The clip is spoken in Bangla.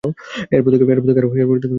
এরপর থেকে আর কোনো শব্দ পাওয়া যায়নি।